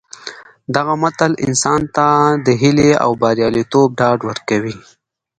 دغه متل انسان ته د هیلې او بریالیتوب ډاډ ورکوي